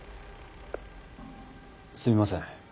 すみません